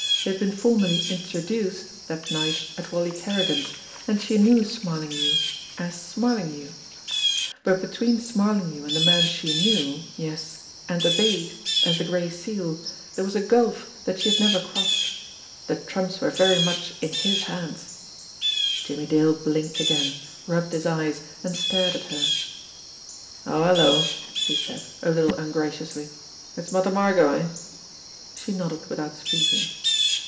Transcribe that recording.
They had been formally "introduced" that night at Wally Kerrigan's, and she knew Smarlinghue as Smarlinghue. But between Smarlinghue and the man she knew, yes, and obeyed, as the Gray Seal, there was a gulf that she had never crossed. The trumps were very much in his hands ! Jimmie Dale blinked again, rubbed his eyes, and stared at her. "Oh, hello!" he said, a little ungraciously. "It's Mother Margot, eh ?" She nodded without speaking.